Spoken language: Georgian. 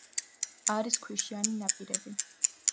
არის ქვიშიანი ნაპირები.